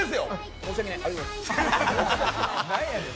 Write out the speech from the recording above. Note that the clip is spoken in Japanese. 申し訳ない、ありがとうございます。